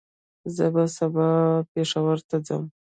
زه به سبا پېښور ته ځم